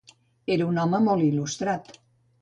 Era un home molt il·lustrat.